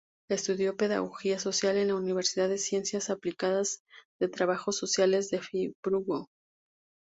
Estudió pedagogía social en la Universidad de Ciencias Aplicadas de Trabajos Sociales de Friburgo.